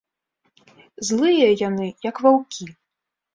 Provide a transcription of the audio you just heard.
Злыя яны, як ваўкі.